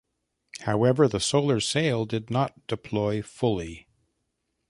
However the solar sail did not deploy fully.